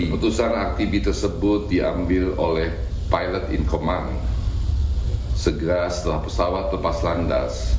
keputusan aktivis tersebut diambil oleh pilot in comman segera setelah pesawat lepas landas